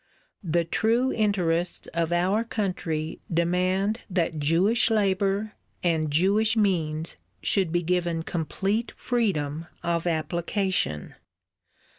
The true interests of our country demand that Jewish labour and Jewish means should be given complete freedom of application.